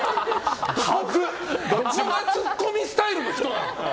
どこがツッコミスタイルの人なんですか。